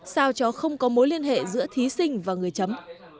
sao cho không có mối liên hệ giữa thí sinh và người chấm